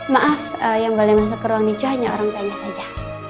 maaf yang boleh masuk ke ruang hijau hanya orang tuanya saja